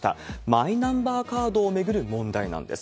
マイナンバーカードを巡る問題なんです。